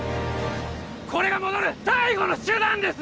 これが戻る最後の手段です！